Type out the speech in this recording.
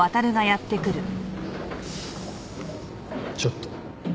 ちょっと。